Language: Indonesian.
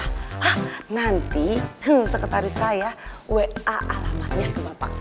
hah nanti sekretaris saya wa alamatnya ke bapak